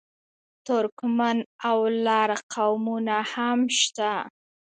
ترکمن او لر قومونه هم شته.